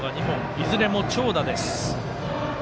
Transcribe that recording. いずれも長打です。